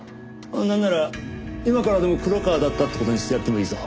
なんなら今からでも黒川だったって事にしてやってもいいぞ。